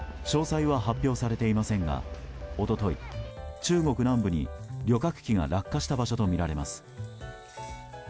詳細は発表されていませんが一昨日、中国南部に旅客機が落下した場所とみられます。